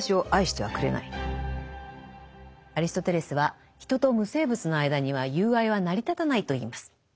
アリストテレスは人と無生物の間には友愛は成り立たないと言います。